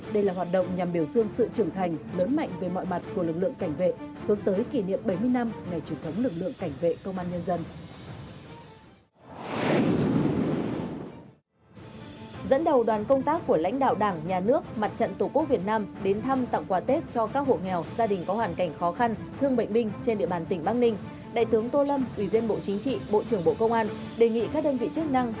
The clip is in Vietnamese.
đây là hoạt động nhằm biểu dương sự trưởng thành lớn mạnh về mọi mặt của lực lượng cảnh vệ hướng tới kỷ niệm bảy mươi năm ngày truyền thống lực lượng cảnh vệ công an nhân dân